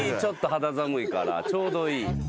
肌寒いからちょうどいい。